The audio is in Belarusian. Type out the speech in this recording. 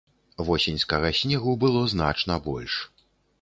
Восеньскага снегу было значна больш.